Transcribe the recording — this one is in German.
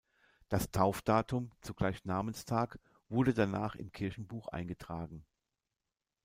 Das Taufdatum, zugleich Namenstag, wurde danach im Kirchenbuch eingetragen.